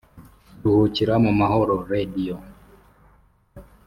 Ruhukira mu mahoro Radio”